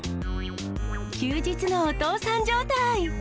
休日のお父さん状態。